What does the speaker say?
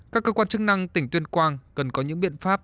các cơ quan chức năng tỉnh tuyên quang cần có những biện pháp